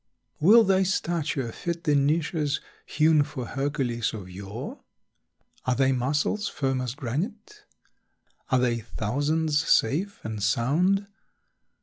Will thy stature fit the niches Hewn for Hercules of yore? Are thy muscles firm as granite? Are thy thousands safe and sound?